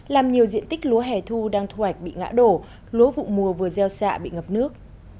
làm nhiều diện tích lúa hẻ thu đang thu hoạch bị ngã đổ lúa vụ mùa vừa gieo xạ bị ngập nước